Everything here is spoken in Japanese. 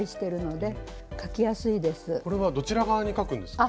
これはどちら側に描くんですか？